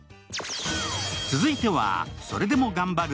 続いては、「それでもがんばる！